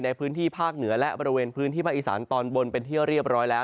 ในพื้นที่ภาคเหนือและบริเวณพื้นที่ภาคอีสานตอนบนเป็นที่เรียบร้อยแล้ว